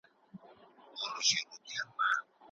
انسان د زده کړې وړ دی.